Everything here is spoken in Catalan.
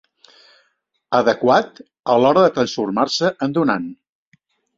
Adequat a l'hora de transformar-se en donant.